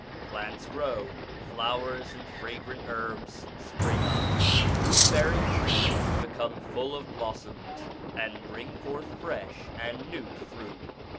Plants grow, flowers and fragrant herbs spring up, fruit bearing trees become full of blossoms, and bring forth fresh and new fruit.